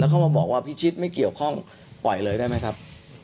เขามาบอกว่าพิชิตไม่เกี่ยวข้องปล่อยเลยได้ไหมครับ